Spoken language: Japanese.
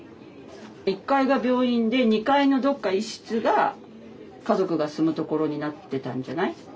１階が病院で２階のどこか１室が家族が住むところになってたんじゃない？